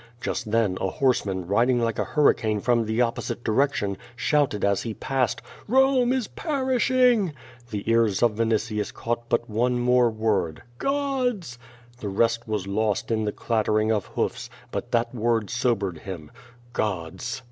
Just then, a horse man, riding like a hurricane from the opposite direction, shouted as he passed, ^'Bome is perishing!" The ears of Vin itius caught but one more wora, *'QodB." The rest was lost QUO VADI8. 307 in the clattering of hoofs, but that word sobered him, "Gods!